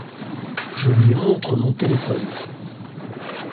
Je lui montre mon téléphone.